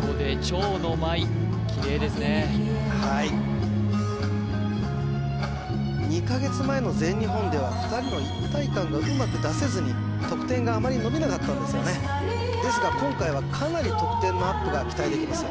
ここで蝶の舞きれいですねはい２カ月前の全日本では２人の一体感がうまく出せずに得点があまりのびなかったんですよねですが今回はかなり得点のアップが期待できますよ